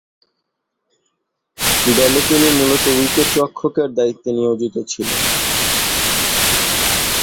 দলে তিনি মূলত উইকেট-রক্ষকের দায়িত্বে নিয়োজিত ছিলেন।